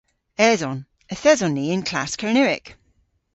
Eson. Yth eson ni y'n klass Kernewek.